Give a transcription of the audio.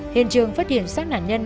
hiện trường phát hiện sát nạn nhân